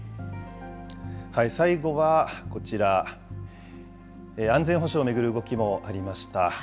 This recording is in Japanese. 最後はこちら、安全保障を巡る動きもありました。